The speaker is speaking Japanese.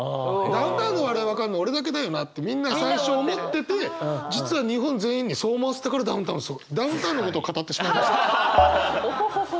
ダウンタウンのお笑い分かるの俺だけだよなってみんな最初思ってて実は日本全員にそう思わせたからダウンタウンすごいダウンタウンのこと語ってしまいました。